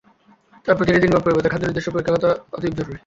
তবে প্রতিটি জিনগত পরিবর্তিত খাদ্য নির্দিষ্টভাবে পরীক্ষা করা অতীব জরুরি।